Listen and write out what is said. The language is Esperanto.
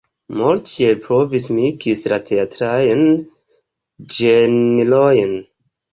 Mortier provis miksi la teatrajn ĝenrojn.